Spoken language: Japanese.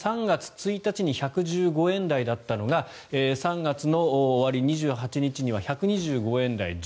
３月１日に１１５円台だったのが３月の終わり、２８日には１２５円台。